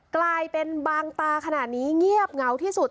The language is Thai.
กลายเป็นบางตาขนาดนี้เงียบเหงาที่สุด